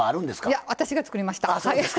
いや私が作りました。